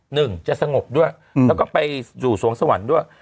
หนึ่งจะสงบด้วยแล้วก็ไปสู่สวงสวรรค์ด้วย